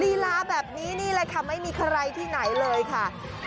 ลีลาแบบนี้นี่แหละค่ะไม่มีใครที่ไหนเลยค่ะ